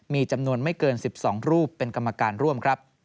มีจำนวนไม่เกิน๑๒รูปเป็นกรรมการร่วมครับ